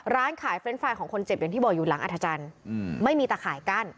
ร้านขายเฟรนด์ไฟล์ของคนเจ็บอย่างที่บอกอยู่หลังอัธจันทร์ไม่มีตะข่ายกั้น